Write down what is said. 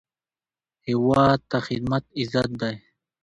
هیواد ته خدمت عزت دی